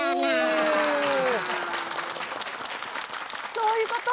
そういうこと？